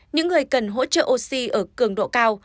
những người cần hỗ trợ oxy ở cường độ cao